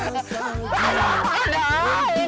keputih ketawaku ketawaku